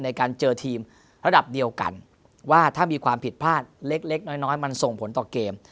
ในการเจอทีมระดับเดียวกันว่าถ้ามีความผิดพลาดเล็กน้อยมันส่งผลต่อเกม